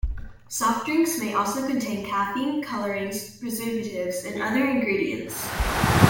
Soft drinks may also contain caffeine, colorings, preservatives and other ingredients.